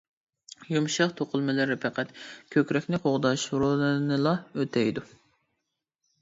يۇمشاق توقۇلمىلىرى پەقەت كۆكرەكنى قوغداش رولىنىلا ئۆتەيدۇ.